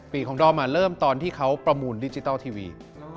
ปีของดอมเริ่มตอนที่เขาประมูลดิจิทัลทีวี